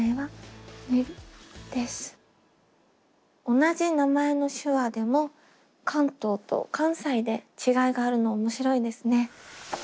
同じ名前の手話でも関東と関西で違いがあるの面白いですね。